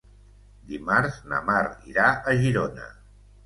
Dimarts na Mar irà a Girona.